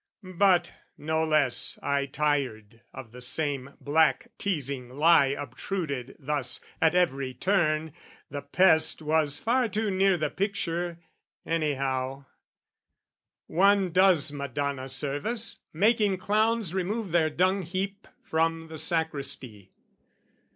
But no less, I tired of the same black teazing lie Obtruded thus at every turn; the pest Was far too near the picture, anyhow: One does Madonna service, making clowns Remove their dung heap from the sacristy.